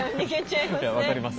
いや分かります